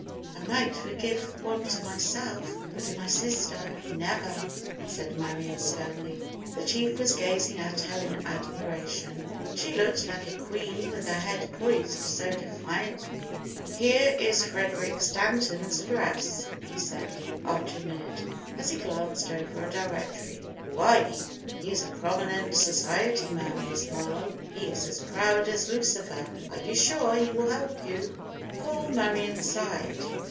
"I might forgive one to myself, but to my sister, never!" said Marion, sternly. The chief was gazing at her in admiration. She looked like a queen with her head poised so defiantly. "Here is Frederic Stanton's address," he said, after a minute, as he glanced over a directory. "Why, he is a prominent society man, Miss Marlowe. He is as proud as Lucifer. Are you sure he will help you?" Poor Marion sighed.